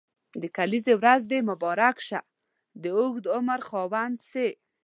د کلیزي ورځ دي مبارک شه د اوږد عمر خاوند سي.